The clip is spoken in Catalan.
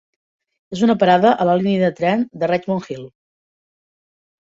És una parada a la línia de tren de Richmond Hill.